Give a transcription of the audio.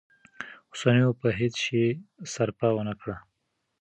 اوسنيو په هیڅ شي سرپه ونه کړه.